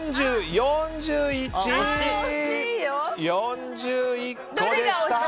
４１個でした。